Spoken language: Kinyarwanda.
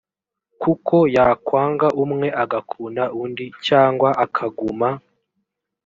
kuko yakwanga umwe agakunda undi cyangwa akaguma